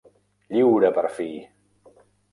Lliure per fi!